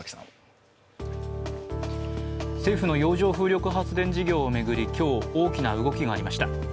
政府の洋上風力発電事業を巡り、今日、大きな動きがありました。